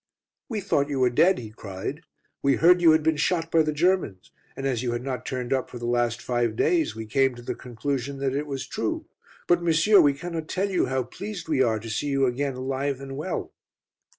"We thought you were dead," he cried; "we heard you had been shot by the Germans, and as you had not turned up for the last five days, we came to the conclusion that it was true. But, monsieur, we cannot tell you how pleased we are to see you again alive and well."